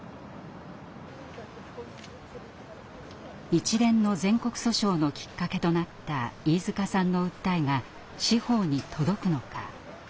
一連の全国訴訟のきっかけとなった飯塚さんの訴えが司法に届くのか。